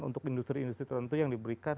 untuk industri industri tertentu yang diberikan